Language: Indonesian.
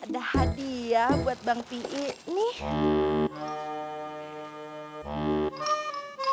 ada hadiah buat bang pie nih